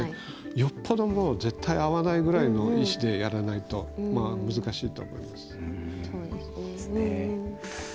よっぽど絶対会わないくらいの意思でやらないと、難しいと思います。